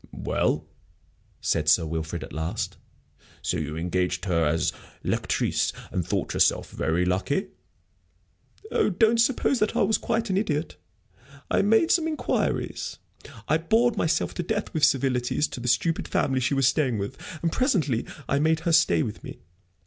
"Well," said Sir Wilfrid, at last, "so you engaged her as lectrice, and thought yourself very lucky?" "Oh, don't suppose that I was quite an idiot. I made some inquiries I bored myself to death with civilities to the stupid family she was staying with, and presently I made her stay with me.